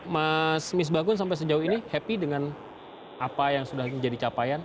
mas mis bakun sampai sejauh ini happy dengan apa yang sudah menjadi capaian